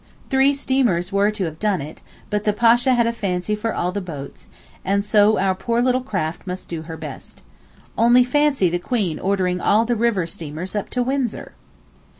Three steamers were to have done it, but the Pasha had a fancy for all the boats, and so our poor little craft must do her best. Only fancy the Queen ordering all the river steamers up to Windsor!